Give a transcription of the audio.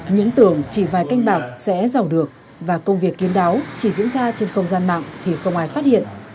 những tưởng chỉ vài canh bạc sẽ giàu được và công việc kiên đáo chỉ diễn ra trên không gian mạng thì không ai phát hiện